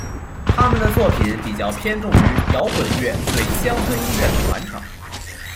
他们的作品比较偏重于摇滚乐对乡村音乐的传承。